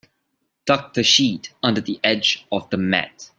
Tuck the sheet under the edge of the mat.